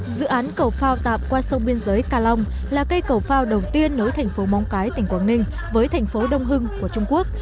dự án cầu phao tạm qua sông biên giới ca long là cây cầu phao đầu tiên nối thành phố móng cái tỉnh quảng ninh với thành phố đông hưng của trung quốc